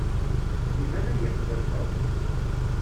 Iban ad yeqbel Tom.